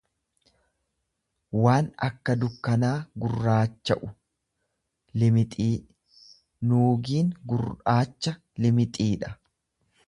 waan akka dukkanaa gurraacha'u, limixii; Nuugiin gur'aacha liqixiidha.